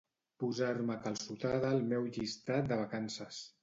Posar-me calçotada al meu llistat de vacances.